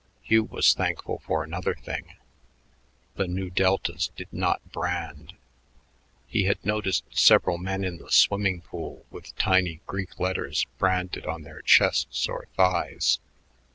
Hugh was thankful for another thing; the Nu Deltas did not brand. He had noticed several men in the swimming pool with tiny Greek letters branded on their chests or thighs.